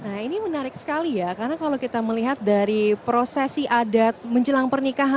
nah ini menarik sekali ya karena kalau kita melihat dari prosesi adat menjelang pernikahan